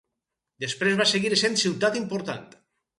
Després va seguir essent ciutat important.